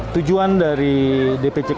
tujuan dari dpc kota bekasi